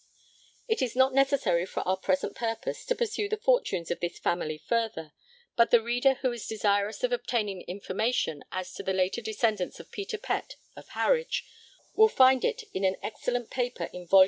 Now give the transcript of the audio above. ' It is not necessary for our present purpose to pursue the fortunes of this family further, but the reader who is desirous of obtaining information as to the later descendants of Peter Pett of Harwich will find it in an excellent paper in vol.